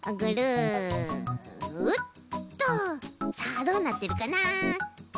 さあどうなってるかな？